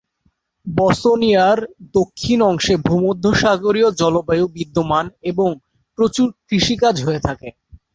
বসনিয়ার দক্ষিণ অংশে ভূমধ্যসাগরীয় জলবায়ু বিদ্যমান এবং প্রচুর কৃষিকাজ হয়ে থাকে।